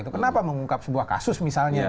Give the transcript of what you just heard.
kenapa mengungkap sebuah kasus misalnya